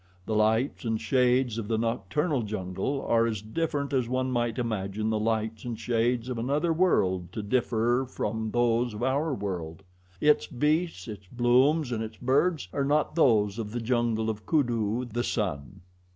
The lights and shades of the nocturnal jungle are as different as one might imagine the lights and shades of another world to differ from those of our world; its beasts, its blooms, and its birds are not those of the jungle of Kudu, the sun.